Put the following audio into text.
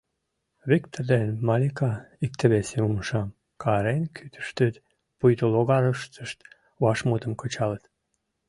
Виктыр ден Малика икте-весым умшам карен кӱтыштыт, пуйто логарыштышт вашмутым кычалыт.